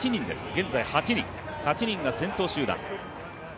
現在、８人が先頭集団。